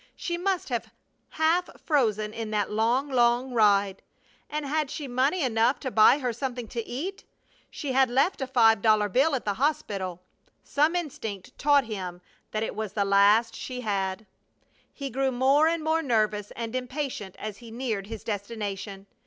She must have half frozen in that long, long ride! And had she money enough to buy her something to eat? She had left a five dollar bill at the hospital. Some instinct taught him that it was the last she had! He grew more and more nervous and impatient as he neared his destination.